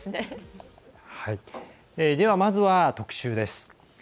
まずは、特集です。